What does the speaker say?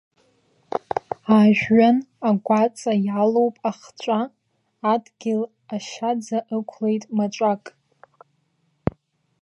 Ажәҩан агәаҵа иалоуп ахҿа, адгьыл ашьаӡа ықәлеит маҿак.